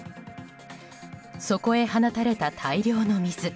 そこへ放たれた大量の水。